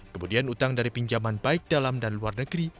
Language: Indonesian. kemudian utang dari pinjaman baik dalam dan luar negeri